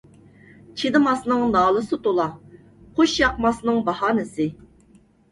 چىدىماسنىڭ نالىسى تۇلا، خوش ياقماسنىڭ باھانىسى.